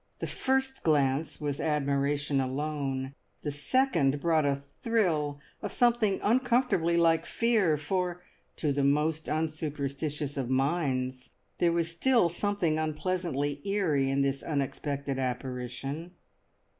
The first glance was admiration alone, the second brought a thrill of something uncomfortably like fear, for to the most unsuperstitious of minds there was still something unpleasantly eerie in this unexpected apparition.